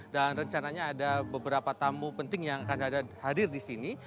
dan rencananya ada beberapa tamu penting yang akan hadir di sini